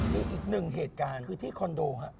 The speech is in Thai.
มีอีกหนึ่งเหตุการณ์คือที่คอนโดครับ